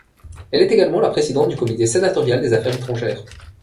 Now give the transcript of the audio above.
Elle est également la présidente du Comité sénatorial des affaires étrangères.